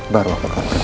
baru aku akan berpikir